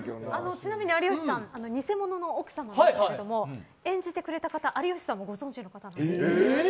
ちなみに有吉さん偽者の奥様ですけども演じてくれた方、有吉さんもご存知の方なんです。